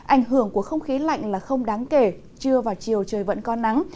ảnh hưởng của không khí lạnh là không đáng kể trưa và chiều trời vẫn có nắng